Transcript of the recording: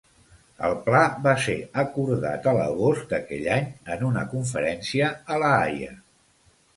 El pla va ser acordat a l'agost d'aquell any en una conferència a La Haia.